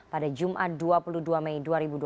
pada jumat dua puluh dua mei dua ribu dua puluh